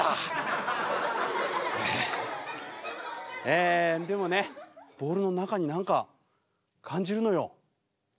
えでもねボールの中に何か感じるのよ。